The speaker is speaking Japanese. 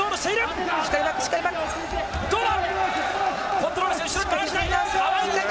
どうだ。